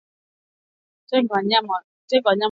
Tenga wanyama walioambukizwa zaidi